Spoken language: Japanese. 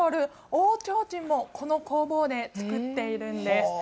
大ちょうちんもこの工房で作っているんです。